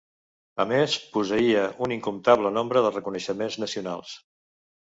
A més, posseïa un incomptable nombre de reconeixements nacionals.